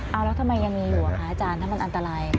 เอาแล้วทำไมยังมีอยู่อะคะอาจารย์ถ้ามันอันตราย